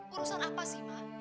urusan apa sih ma